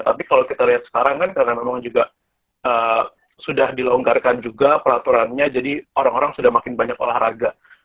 tapi kalau kita lihat sekarang kan karena memang juga sudah dilonggarkan juga peraturannya jadi orang orang sudah makin banyak olahraga